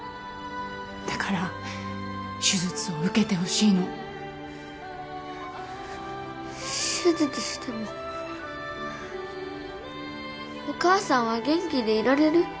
だから手術を受けてほしいの。手術してもお母さんは元気でいられる？